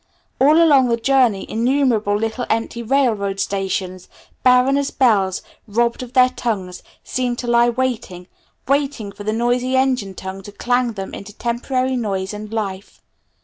All along the journey innumerable little empty railroad stations, barren as bells robbed of their own tongues, seemed to lie waiting waiting for the noisy engine tongue to clang them into temporary noise and life.